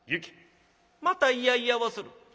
また『いやいや』をする。